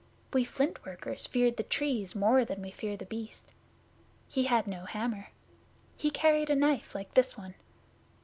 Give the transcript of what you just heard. We Flint workers fear the Trees more than we fear The Beast. He had no hammer. He carried a knife like this one.